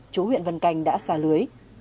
chủ huyện vân cành đã xà lưới